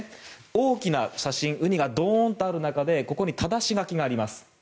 大きな写真ウニがどんとある中でただし書きがあります。